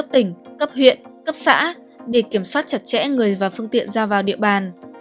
tỉnh cấp huyện cấp xã để kiểm soát chặt chẽ người và phương tiện ra vào địa bàn